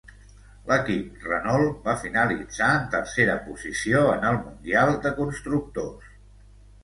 L'equip Renault va finalitzar en tercera posició en el mundial de constructors.